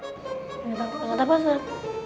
ingat apa ya